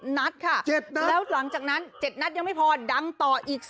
นัดค่ะแล้วหลังจากนั้น๗นัดยังไม่พอดังต่ออีก